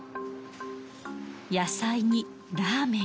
野菜にラーメン。